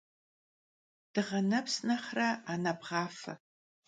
Dığe neps nexhre ane bğafe.